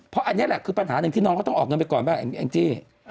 เพราะอันนี้แหละคือปัญหาหนึ่งที่น้องเขาต้องออกเงินไปก่อนบ้างแองจี้